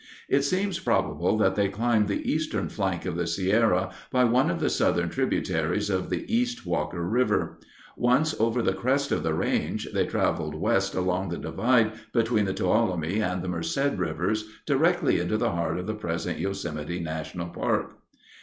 It seems probable that they climbed the eastern flank of the Sierra by one of the southern tributaries of the East Walker River. Once over the crest of the range, they traveled west along the divide between the Tuolumne and the Merced rivers directly into the heart of the present Yosemite National Park.